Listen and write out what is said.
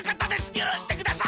ゆるしてください！